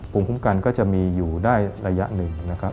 ภูมิคุ้มกันก็จะมีอยู่ได้ระยะหนึ่งนะครับ